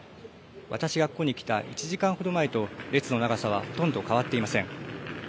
私がここに来た１時間ほど前と列の長さはほとんど変わっていません。